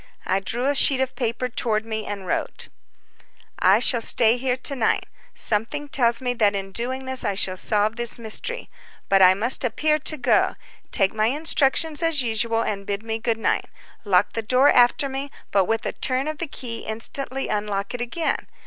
I drew a sheet of paper toward me and wrote: "I shall stay here to night. Something tells me that in doing this I shall solve this mystery. But I must appear to go. Take my instructions as usual, and bid me good night. Lock the door after me, but with a turn of the key instantly unlock it again.